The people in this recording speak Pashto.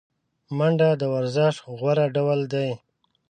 منډه د ورزش غوره ډول دی